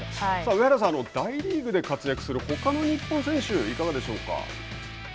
上原さん、大リーグで活躍するほかの日本選手いかがでしょうか。